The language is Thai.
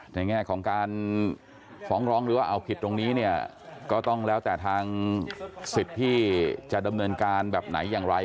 แง่ของการฟ้องร้องหรือว่าเอาผิดตรงนี้เนี่ยก็ต้องแล้วแต่ทางสิทธิ์ที่จะดำเนินการแบบไหนอย่างไร